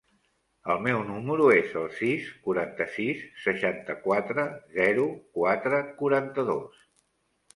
El meu número es el sis, quaranta-sis, seixanta-quatre, zero, quatre, quaranta-dos.